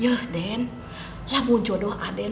ya den namun jodoh aden